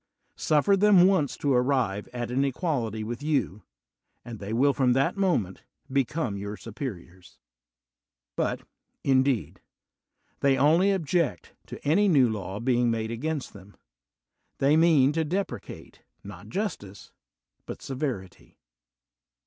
Suffer them once to arrive at an equality with you, and they will from that moment become your su periors. But, indeed, they only object to any new law being made against them; tiiey mean to depre ii a 17 THE WORLD'S FAMOUS ORATIONS cate, not justice, but severity.